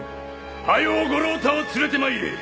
早う五郎太を連れてまいれ。